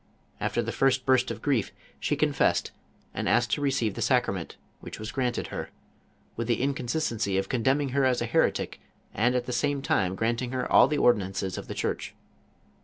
After the first burst of grief, she confessed and asked to receive the sacrament, which was granted her, with the inconsistency of condemning her as a heretic and at the same time granting her all the ordinances of the church.